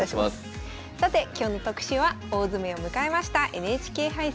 さて今日の特集は大詰めを迎えましたＮＨＫ杯戦。